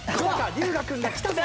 龍我君がきたぞ！